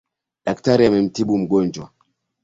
Daktari amemtibu mgonjwa.